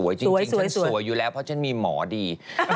จริงฉันสวยอยู่แล้วเพราะฉันมีหมอดี